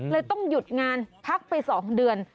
เลยต้องหยุดงานพักไปสองเดือน